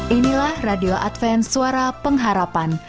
inilah radio adven suara pengharapan